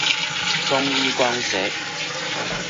中一光学。